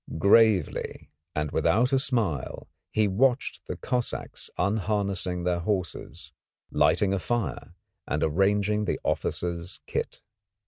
Gravely and without a smile he watched the Cossacks unharnessing their horses, lighting a fire and arranging the officers' kit.